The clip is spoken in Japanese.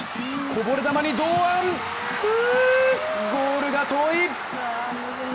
こぼれ球に堂安、ゴールが遠い。